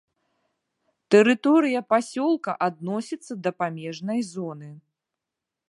Тэрыторыя пасёлка адносіцца да памежнай зоны.